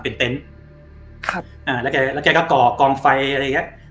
เป็นเต็นต์ครับอ่าแล้วแกแล้วแกก็ก่อกองไฟอะไรอย่างเงี้ย